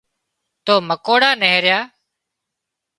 تو مڪوڙا نيهريا